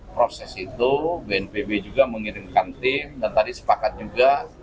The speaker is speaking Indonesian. proses itu bnpb juga mengirimkan tim dan tadi sepakat juga